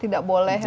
tidak boleh ya